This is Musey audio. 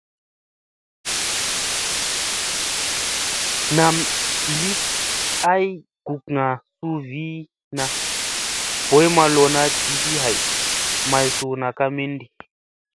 Nam li ay kukŋa su vii na, boy lona jivi hay, may suuna ka mindi.